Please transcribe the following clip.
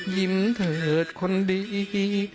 ยิ้มเถิดคนดี